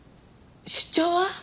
出張は？